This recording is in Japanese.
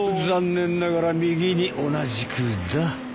残念ながら右に同じくだ。